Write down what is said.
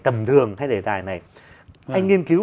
tầm thường hay đề tài này anh nghiên cứu